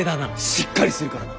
しっかりするからな。